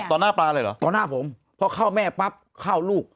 ต่อหน้าปลาเลยเหรอต่อหน้าผมพอเข้าแม่ปั๊บเข้าลูก